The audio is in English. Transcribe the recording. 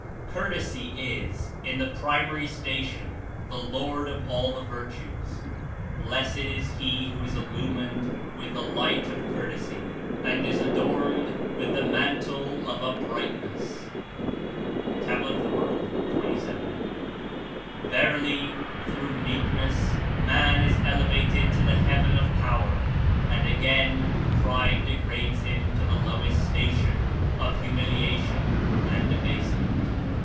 Courtesy Is, In the primary station, the lord of all the virtues. Blessed Is he who Is Illumined with the light of Courtesy and Is adorned with the mantle of Uprightness." (Tab. of W . 2j.) "Verily, through meekness man Is elevated to the heaven of power; and again pride degrades him to the lowest station of humllatlon and abasement."